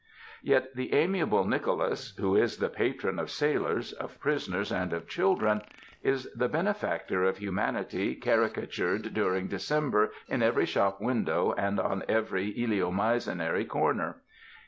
Yet the amiable Nicholas (who is the patron of sailors, of prisoners, and of children) is the bene factor of humanity caricatured during December in every shop window and on every eleemosynary corner.